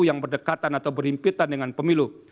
yang berdekatan atau berhimpitan dengan pemilu